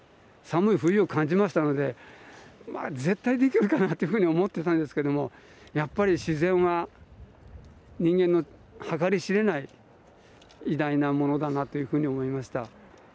寒い冬を感じましたので絶対できるかなというふうに思ってたんですけどやっぱり、自然は人間の計り知れない偉大なものだなというふうに思いました。